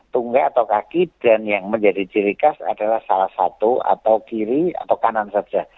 tungga atau kaki dan yang menjadi ciri khas adalah salah satu atau kiri atau kanan saja